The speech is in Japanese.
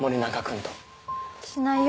しないよ。